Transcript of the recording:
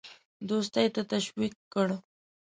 دوستی ته تشویق کړ.